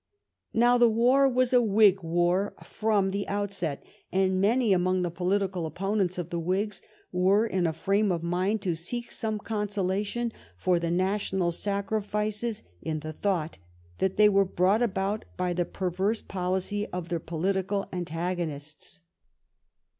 Now the war was a Whig war from the outset, and many among the political opponents of the Whigs were in a frame of mind to seek some consolation for the national sacrifices in the thought that they were brought about by the perverse policy of their political antagonists.